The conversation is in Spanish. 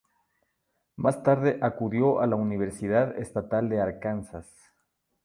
Más tarde acudió a la Universidad Estatal de Arkansas.